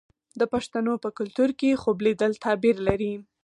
د پښتنو په کلتور کې خوب لیدل تعبیر لري.